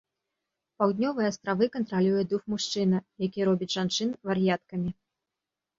Паўднёвыя астравы кантралюе дух-мужчына, які робіць жанчын вар'яткамі.